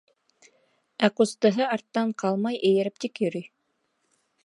Ә ҡустыһы арттан ҡалмай эйәреп тик йөрөй.